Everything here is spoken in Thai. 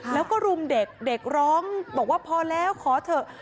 แล้วก็รุมเด็กเด็กร้องบอกว่าพอแล้วขอเถอะ